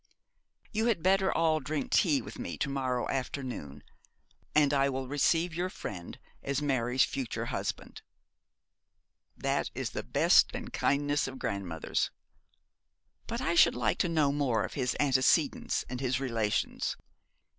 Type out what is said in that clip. You had better all drink tea with me to morrow afternoon; and I will receive your friend as Mary's future husband.' 'That is the best and kindest of grandmothers.' 'But I should like to know more of his antecedents and his relations.'